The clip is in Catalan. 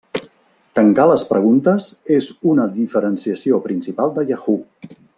Tancar les preguntes és una diferenciació principal de Yahoo!